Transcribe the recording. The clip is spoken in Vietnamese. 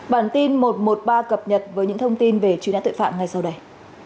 bản tin một trăm một mươi ba cập nhật với những thông tin về truy nã tội phạm ngay sau đây